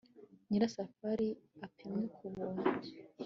nyirasafari apimwe k'ubuntu